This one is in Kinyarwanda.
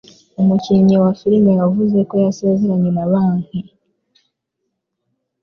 Umukinnyi wa filime yavuze ko yasezeranye na banki.